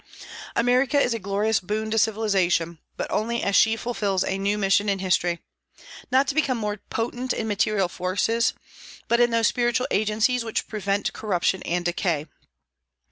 America is a glorious boon to civilization, but only as she fulfils a new mission in history, not to become more potent in material forces, but in those spiritual agencies which prevent corruption and decay.